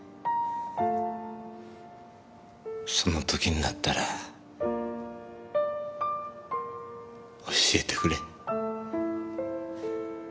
その時になったら教えてくれ。